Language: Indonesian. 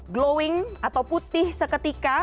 glowing atau putih seketika